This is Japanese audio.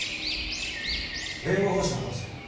弁護方針はどうする？